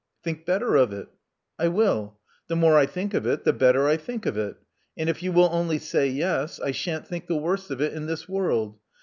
Think better of if • •*I will. The more I think of it, the better I think of it. And if you will only say yes, I shan't think the worse of it in this world.